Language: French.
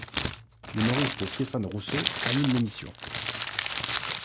L'humoriste Stéphane Rousseau anime l'émission.